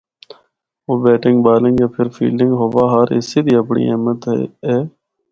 او batting, bowling یا پھر فیلڈنگ ہوا ہر حصہ دی اپنڑی اہمیت اے۔